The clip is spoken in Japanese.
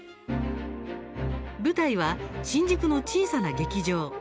舞台は新宿の小さな劇場。